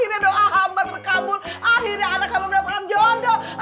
akhirnya doa hamba terkabul akhirnya anak anak berapa apa jodoh